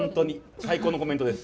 最高のコメントです。